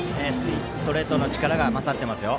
ストレートの力が勝っていますよ。